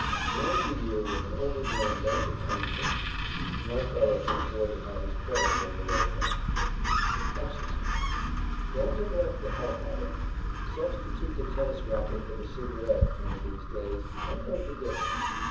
To end the year with an over drawn bank account is risky. No fellow can afford to have his credit go below par. [Sidenote: EXERCISE] Don't neglect the health habit. Substitute the tennis racquet for the cigarette, one of these days, and note the difference.